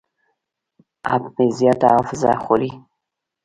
اپ مې زیاته حافظه خوري.